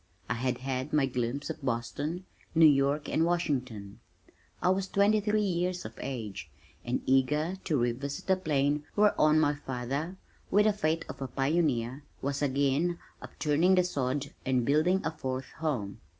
I had had my glimpse of Boston, New York and Washington. I was twenty three years of age, and eager to revisit the plain whereon my father with the faith of a pioneer, was again upturning the sod and building a fourth home.